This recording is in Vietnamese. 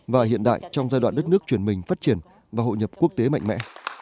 và hiện đại trong giai đoạn đất nước chuyển mình phát triển và hội nhập quốc tế mạnh mẽ